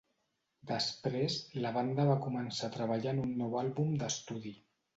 Després, la banda va començar a treballar en un nou àlbum d'estudi.